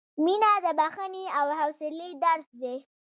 • مینه د بښنې او حوصلې درس دی.